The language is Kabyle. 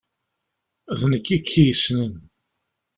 D nekk i k-yessnen!